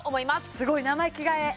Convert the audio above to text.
すごい生着替え